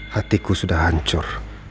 hatiku sudah hancur